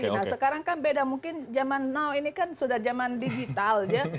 nah sekarang kan beda mungkin zaman now ini kan sudah zaman digital ya